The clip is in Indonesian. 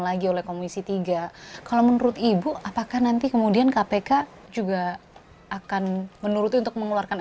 lagi oleh komisi tiga kalau menurut ibu apakah nanti kemudian kpk juga akan menuruti untuk mengeluarkan